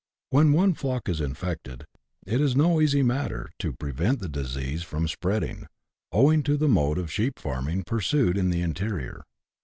When one flock is infected, it is no easy matter to prevent the disease from spreading, owing to the mode of sheep farming pursued in the interior.